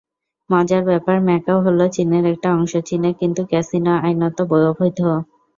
মজার ব্যাপার, ম্যাকাও হলো চীনের একটা অংশ, চীনে কিন্তু ক্যাসিনো আইনত অবৈধ।